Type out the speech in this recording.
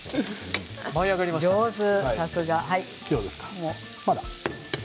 上手。